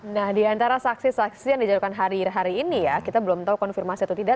nah di antara saksi saksi yang dijatuhkan hari ini ya kita belum tahu konfirmasi atau tidak